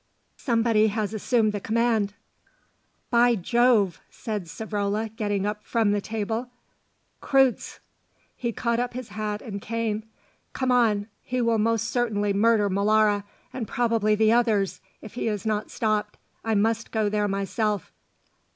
Somebody has assumed the command." "By Jove," said Savrola getting up from the table. "Kreutze!" He caught up his hat and cane. "Come on; he will most certainly murder Molara, and probably the others, if he is not stopped. I must go there myself."